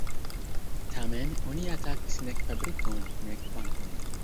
Tamen oni atakis nek fabrikon nek bankon.